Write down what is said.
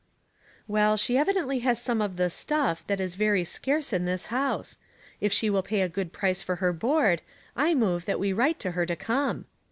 "■Well, she evidently has some of the 'stuff* that is very scarce in this house. If she will pay a good price for her board, I move that we write to her to come."